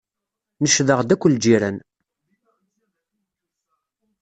Necdeɣ-d akk lǧiran.